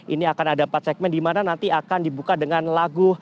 ini akan ada empat segmen di mana nanti akan dibuka dengan lagu